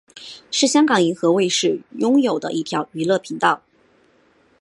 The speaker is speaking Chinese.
是香港银河卫视拥有的一条娱乐频道。